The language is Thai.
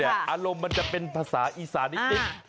อะอารมณ์มันจะเป็นภาษาอีสานิเอ็กซ